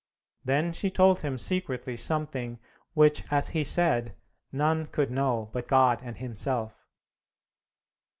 Then she told him secretly something which, as he said, none could know but God and himself.